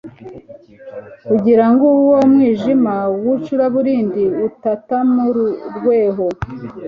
Kugira nguwo mwijima wicuraburindi ubatamururweho